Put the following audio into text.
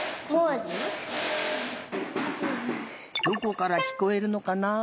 どこからきこえるのかな？